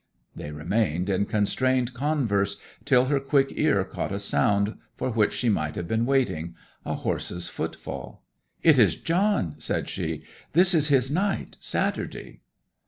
They remained in constrained converse till her quick ear caught a sound, for which she might have been waiting a horse's footfall. 'It is John!' said she. 'This is his night Saturday.'